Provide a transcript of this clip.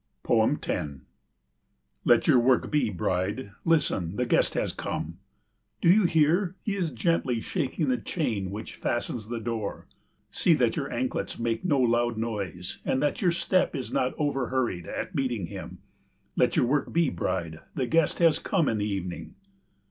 10 Let your work be, bride. Listen, the guest has come. Do you hear, he is gently shaking the chain which fastens the door? See that your anklets make no loud noise, and that your step is not over hurried at meeting him. Let your work be, bride, the guest has come in the evening.